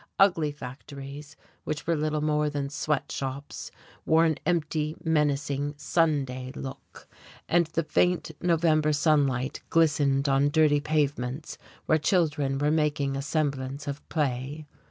Ugly factories, which were little more than sweatshops, wore an empty, menacing, "Sunday" look, and the faint November sunlight glistened on dirty pavements where children were making a semblance of play.